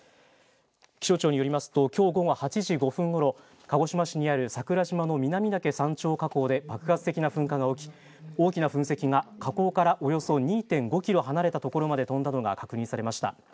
気象庁によりますときょう午後８時５分ごろ鹿児島市にある桜島の南岳山頂火口で爆発的な噴火が起き、大きな噴石が火口からおよそ２．５キロ離れたところまで飛んだことが確認されました。